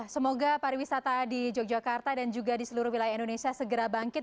semoga pariwisata di yogyakarta dan juga di seluruh wilayah indonesia segera bangkit